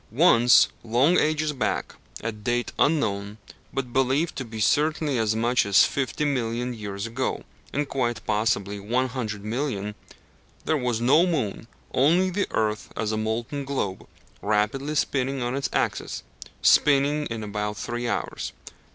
Once, long ages back, at date unknown, but believed to be certainly as much as fifty million years ago, and quite possibly one hundred million, there was no moon, only the earth as a molten globe, rapidly spinning on its axis spinning in about three hours.